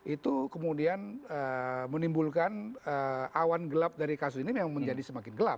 itu kemudian menimbulkan awan gelap dari kasus ini memang menjadi semakin gelap